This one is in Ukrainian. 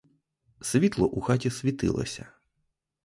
Світло у хаті світилося.